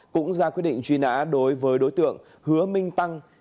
cũng ra quyết định truy nã đối với đối tượng đinh trung thảo